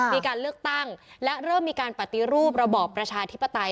มีการเลือกตั้งและเริ่มมีการปฏิรูประบอบประชาธิปไตย